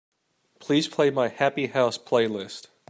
Please play my Happy House playlist.